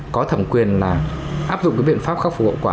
có thẩm quyền áp dụng biện pháp khắc phục hậu quả